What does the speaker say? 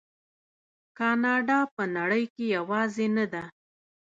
کاناډا په نړۍ کې یوازې نه ده.